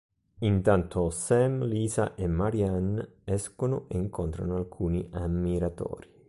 Intanto Sam, Lisa e Marianne escono e incontrano alcuni ammiratori.